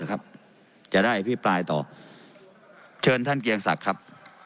จะได้อภิปรายต่อเชิญท่านเกียงศักดิ์ครับ